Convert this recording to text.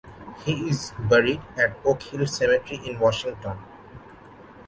He is buried at Oak Hill Cemetery in Washington.